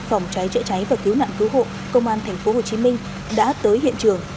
phòng cháy trợ cháy và cứu nạn cứu hộ công an thành phố hồ chí minh đã tới hiện trường